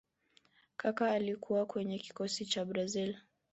Kaka alikuwa kwyenye kikosi cha brazili